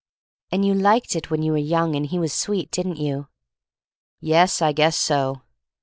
"And you liked it when you were young and he was sweet, didn't you?" "Yes, I guess so.